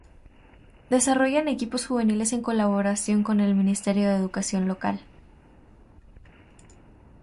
Desarrollan equipos juveniles en colaboración con el ministerio de educación local.